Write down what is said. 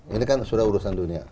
ini kan sudah urusan dunia